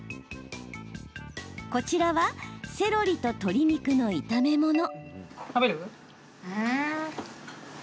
こちらはセロリと鶏肉の炒め物。